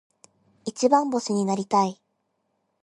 一番星になりたい。